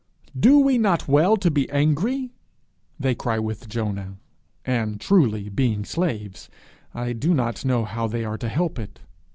'Do we not well to be angry?' they cry with Jonah; and, truly, being slaves, I do not know how they are to help it.